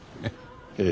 ええ。